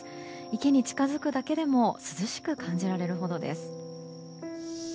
池に近づくだけでも涼しく感じられるほどです。